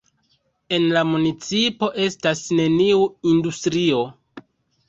En la municipo estas neniu industrio.